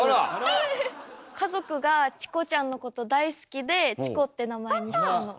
えっ⁉家族がチコちゃんのこと大好きで「チコ」って名前にしたの。